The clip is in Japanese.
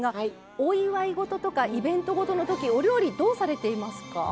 お祝い事とかイベント事のときお料理どうされていますか？